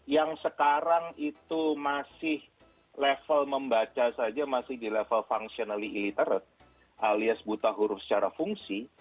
yang sekarang itu masih level membaca saja masih di level functionally illiterate alias buta huruf secara fungsi